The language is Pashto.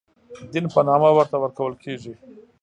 دین په نامه ورته ورکول کېږي.